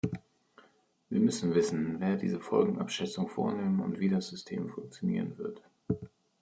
Wir müssen wissen, wer diese Folgenabschätzung vornehmen und wie das System funktionieren wird.